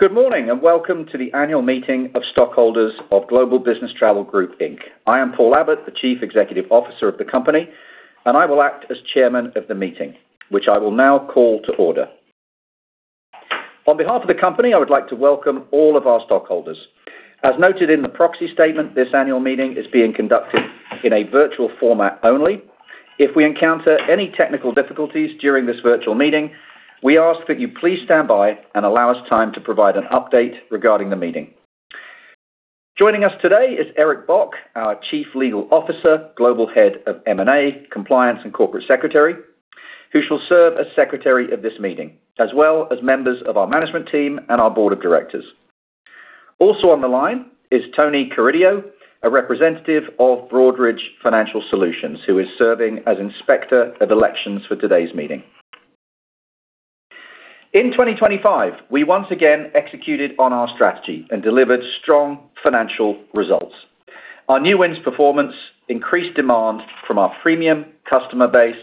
Good morning, welcome to the annual meeting of stockholders of Global Business Travel Group, Inc. I am Paul Abbott, the Chief Executive Officer of the company, and I will act as Chairman of the meeting, which I will now call to order. On behalf of the company, I would like to welcome all of our stockholders. As noted in the proxy statement, this annual meeting is being conducted in a virtual format only. If we encounter any technical difficulties during this virtual meeting, we ask that you please stand by and allow us time to provide an update regarding the meeting. Joining us today is Eric Bock, our Chief Legal Officer, Global Head of M&A, Compliance and Corporate Secretary, who shall serve as Secretary of this meeting, as well as members of our management team and our Board of Directors. Also on the line is Tony Corio, a representative of Broadridge Financial Solutions, who is serving as inspector of elections for today's meeting. In 2025, we once again executed on our strategy and delivered strong financial results. Our new wins performance increased demand from our premium customer base,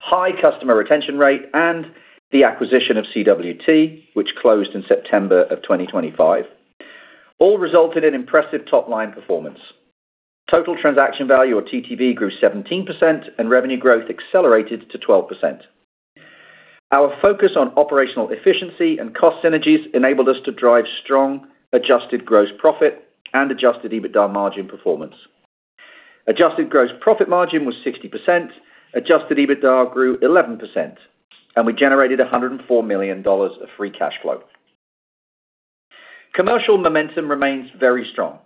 high customer retention rate, and the acquisition of CWT, which closed in September of 2025, all resulted in impressive top-line performance. Total transaction value or TTV grew 17%. Revenue growth accelerated to 12%. Our focus on operational efficiency and cost synergies enabled us to drive strong Adjusted Gross Profit and Adjusted EBITDA margin performance. Adjusted Gross Profit margin was 60%. Adjusted EBITDA grew 11%. We generated $104 million of free cash flow. Commercial momentum remains very strong.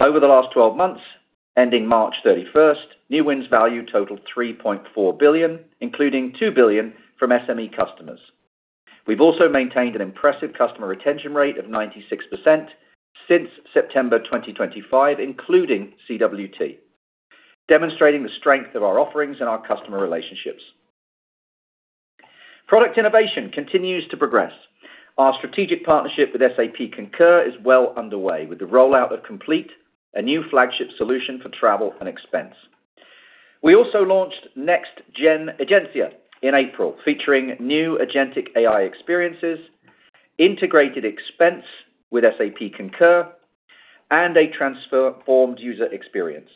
Over the last 12 months, ending March 31st, new wins value totaled $3.4 billion, including $2 billion from SME customers. We've also maintained an impressive customer retention rate of 96% since September 2025, including CWT, demonstrating the strength of our offerings and our customer relationships. Product innovation continues to progress. Our strategic partnership with SAP Concur is well underway with the rollout of Compleat, a new flagship solution for travel and expense. We also launched next-gen Egencia in April, featuring new Agentic AI experiences, integrated expense with SAP Concur, and a transformed user experience.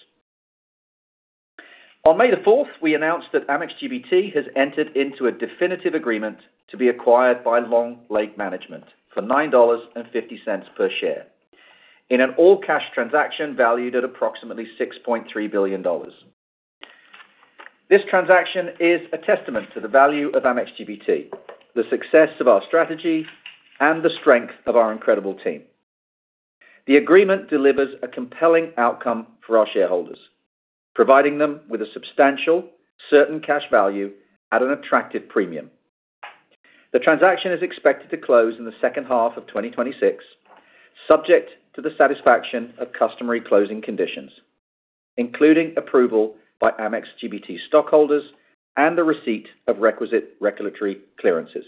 On May 4th, we announced that Amex GBT has entered into a definitive agreement to be acquired by Long Lake Management for $9.50 per share in an all-cash transaction valued at approximately $6.3 billion. This transaction is a testament to the value of Amex GBT, the success of our strategy, and the strength of our incredible team. The agreement delivers a compelling outcome for our shareholders, providing them with a substantial certain cash value at an attractive premium. The transaction is expected to close in the second half of 2026, subject to the satisfaction of customary closing conditions, including approval by Amex GBT stockholders and the receipt of requisite regulatory clearances.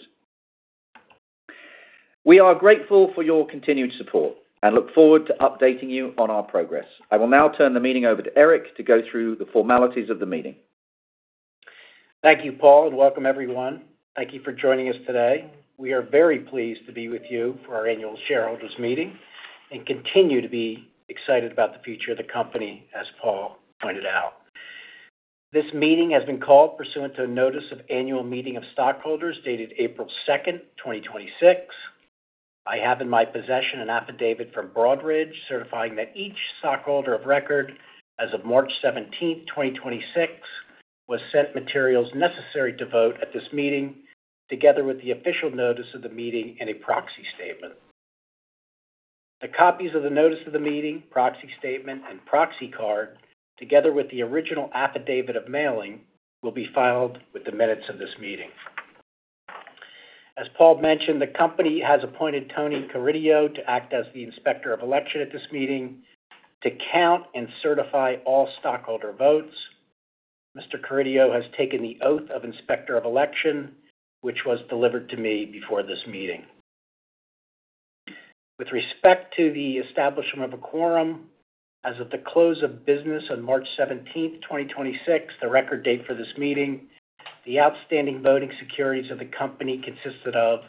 We are grateful for your continued support and look forward to updating you on our progress. I will now turn the meeting over to Eric to go through the formalities of the meeting. Thank you, Paul, and welcome everyone. Thank you for joining us today. We are very pleased to be with you for our annual shareholders meeting and continue to be excited about the future of the company, as Paul pointed out. This meeting has been called pursuant to a notice of annual meeting of stockholders dated April second, 2026. I have in my possession an affidavit from Broadridge certifying that each stockholder of record as of March 17th, 2026, was sent materials necessary to vote at this meeting, together with the official notice of the meeting and a proxy statement. The copies of the notice of the meeting, proxy statement, and proxy card, together with the original affidavit of mailing, will be filed with the minutes of this meeting. As Paul mentioned, the company has appointed Tony Corio to act as the inspector of election at this meeting to count and certify all stockholder votes. Mr. Corio has taken the oath of inspector of election, which was delivered to me before this meeting. With respect to the establishment of a quorum, as of the close of business on March 17th, 2026, the record date for this meeting, the outstanding voting securities of the company consisted of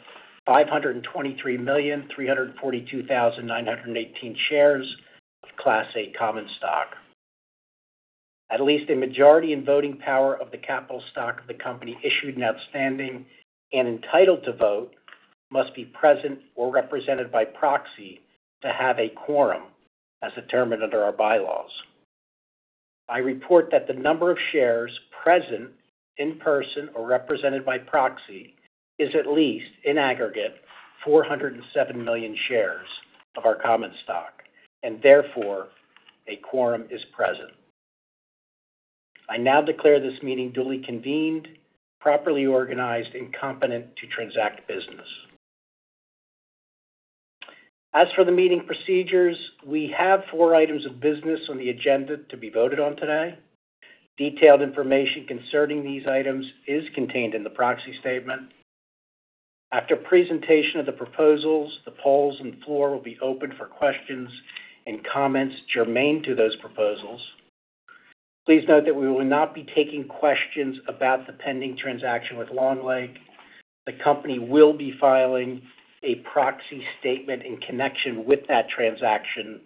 523,342,918 shares of Class A common stock. At least a majority in voting power of the capital stock of the company issued and outstanding and entitled to vote must be present or represented by proxy to have a quorum as determined under our bylaws. I report that the number of shares present in person or represented by proxy is at least in aggregate 407 million shares of our common stock, and therefore, a quorum is present. I now declare this meeting duly convened, properly organized, and competent to transact business. As for the meeting procedures, we have four items of business on the agenda to be voted on today. Detailed information concerning these items is contained in the proxy statement. After presentation of the proposals, the polls and floor will be open for questions and comments germane to those proposals. Please note that we will not be taking questions about the pending transaction with Long Lake. The company will be filing a proxy statement in connection with that transaction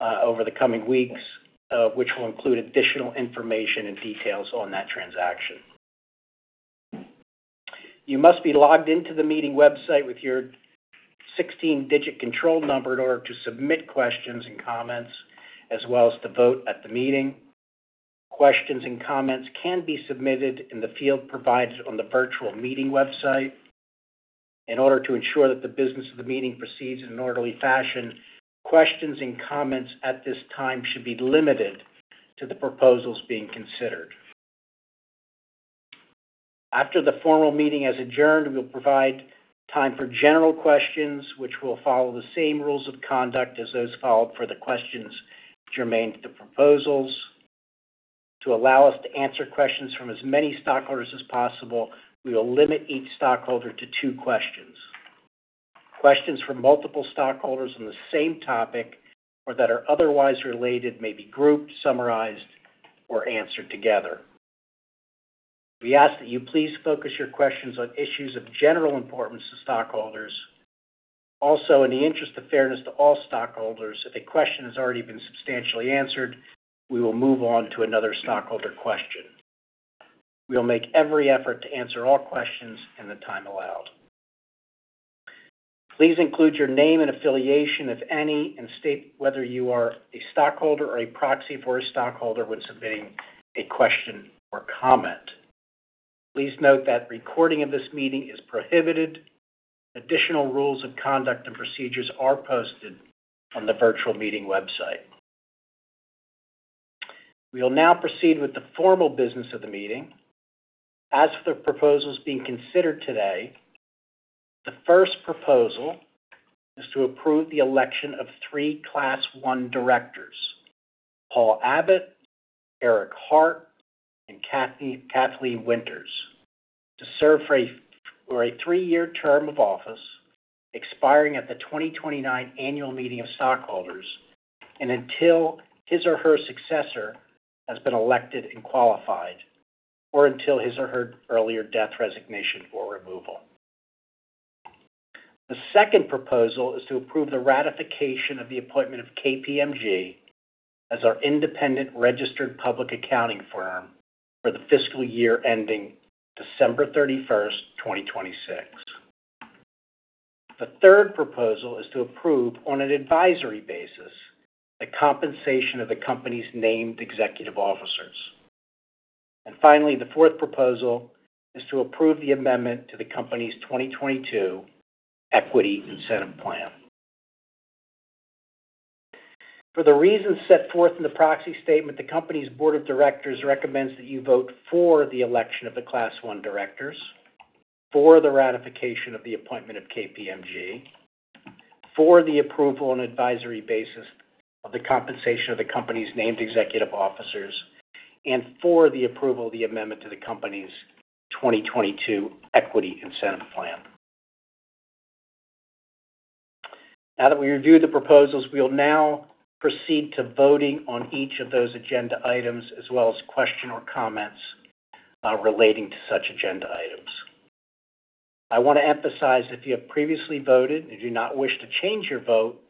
over the coming weeks, which will include additional information and details on that transaction. You must be logged in to the meeting website with your 16-digit control number in order to submit questions and comments as well as to vote at the meeting. Questions and comments can be submitted in the field provided on the virtual meeting website. In order to ensure that the business of the meeting proceeds in an orderly fashion, questions and comments at this time should be limited to the proposals being considered. After the formal meeting has adjourned, we'll provide time for general questions, which will follow the same rules of conduct as those followed for the questions germane to proposals. To allow us to answer questions from as many stockholders as possible, we will limit each stockholder to two questions. Questions from multiple stockholders on the same topic or that are otherwise related may be grouped, summarized, or answered together. We ask that you please focus your questions on issues of general importance to stockholders. Also, in the interest of fairness to all stockholders, if a question has already been substantially answered, we will move on to one another stockholder question. We will make every effort to answer all questions in the time allowed. Please include your name and affiliation, if any, and state whether you are a stockholder or a proxy for a stockholder when submitting a question or comment. Please note that recording of this meeting is prohibited. Additional rules of conduct and procedures are posted on the virtual meeting website. We will now proceed with the formal business of the meeting. As for the proposals being considered today, the first proposal is to approve the election of three Class I directors, Paul Abbott, Eric Hart, and Kathleen Winters, to serve for a three-year term of office expiring at the 2029 annual meeting of stockholders and until his or her successor has been elected and qualified or until his or her earlier death, resignation, or removal. The second proposal is to approve the ratification of the appointment of KPMG as our independent registered public accounting firm for the fiscal year ending December 31st, 2026. The third proposal is to approve, on an advisory basis, the compensation of the company's named executive officers. Finally, the fourth proposal is to approve the amendment to the company's 2022 Equity Incentive Plan. For the reasons set forth in the proxy statement, the company's board of directors recommends that you vote for the election of the Class I directors, for the ratification of the appointment of KPMG, for the approval on advisory basis of the compensation of the company's named executive officers, and for the approval of the amendment to the company's 2022 Equity Incentive Plan. Now that we reviewed the proposals, we will now proceed to voting on each of those agenda items as well as question or comments relating to such agenda items. I want to emphasize, if you have previously voted and do not wish to change your vote,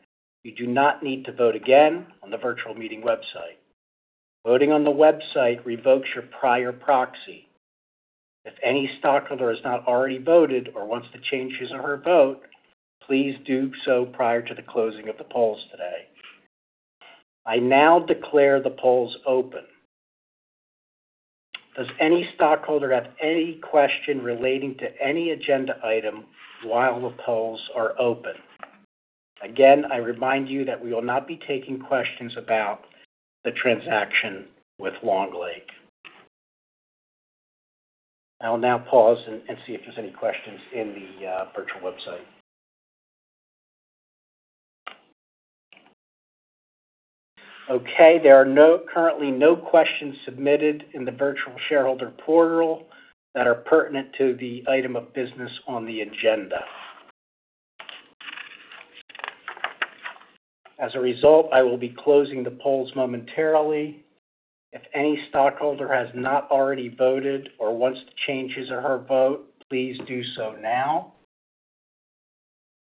you do not need to vote again on the virtual meeting website. Voting on the website revokes your prior proxy. If any stockholder has not already voted or wants to change his or her vote, please do so prior to the closing of the polls today. I now declare the polls open. Does any stockholder have any question relating to any agenda item while the polls are open? Again, I remind you that we will not be taking questions about the transaction with Long Lake. I will now pause and see if there's any questions in the virtual website. Okay, there are currently no questions submitted in the virtual shareholder portal that are pertinent to the item of business on the agenda. As a result, I will be closing the polls momentarily. If any stockholder has not already voted or wants to change his or her vote, please do so now.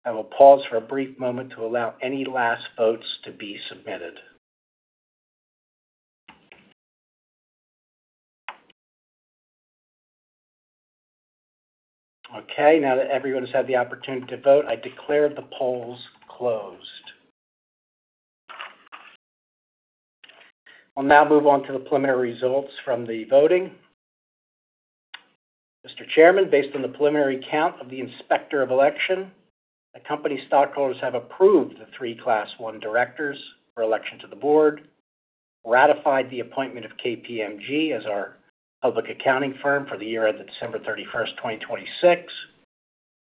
I will pause for a brief moment to allow any last votes to be submitted. Okay, now that everyone has had the opportunity to vote, I declare the polls closed. I'll now move on to the preliminary results from the voting. Mr. Chairman, based on the preliminary count of the inspector of election, the company stockholders have approved the three Class I directors for election to the board, ratified the appointment of KPMG as our public accounting firm for the year end of December 31st, 2026,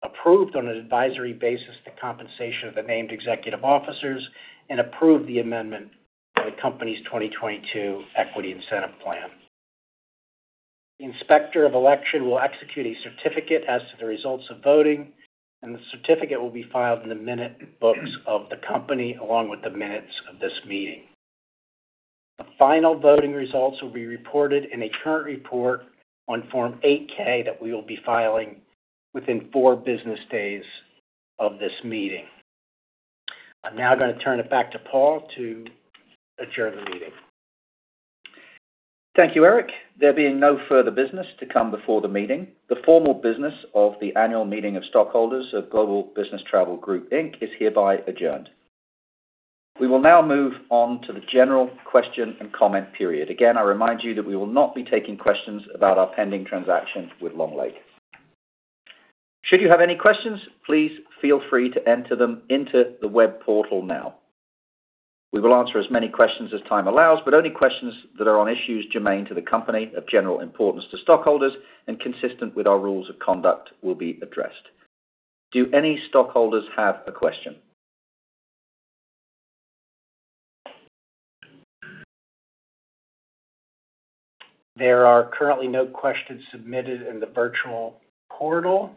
approved on an advisory basis the compensation of the named executive officers, and approved the amendment of the company's 2022 Equity Incentive Plan. The inspector of election will execute a certificate as to the results of voting, and the certificate will be filed in the minute books of the company, along with the minutes of this meeting. The final voting results will be reported in a current report on Form 8-K that we will be filing within four business days of this meeting. I'm now gonna turn it back to Paul to adjourn the meeting. Thank you, Eric. There being no further business to come before the meeting, the formal business of the annual meeting of stockholders of Global Business Travel Group, Inc. is hereby adjourned. We will now move on to the general question and comment period. Again, I remind you that we will not be taking questions about our pending transaction with Long Lake. Should you have any questions, please feel free to enter them into the web portal now. We will answer as many questions as time allows, but only questions that are on issues germane to the company, of general importance to stockholders, and consistent with our rules of conduct will be addressed. Do any stockholders have a question? There are currently no questions submitted in the virtual portal.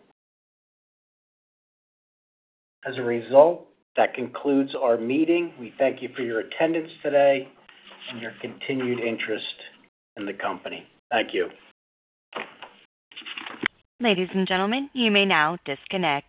As a result, that concludes our meeting. We thank you for your attendance today and your continued interest in the company. Thank you. Ladies and gentlemen, you may now disconnect.